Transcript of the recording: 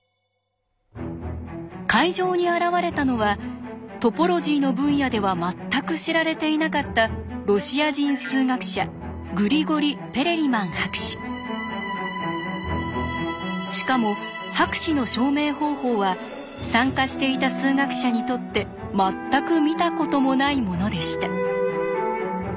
会場に現れたのはトポロジーの分野では全く知られていなかったロシア人数学者しかも博士の証明方法は参加していた数学者にとって全く見たこともないものでした。